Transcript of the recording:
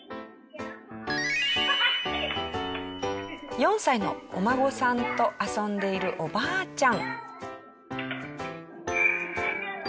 ４歳のお孫さんと遊んでいるおばあちゃん。